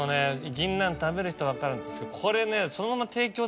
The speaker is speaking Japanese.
銀杏食べる人分かるんですけどこれ。